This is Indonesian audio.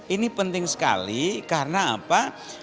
ini penting sekali karena apa